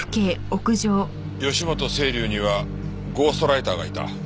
義本青流にはゴーストライターがいた。